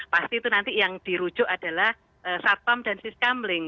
pasti itu nanti yang dirujuk adalah satpam dan siskambling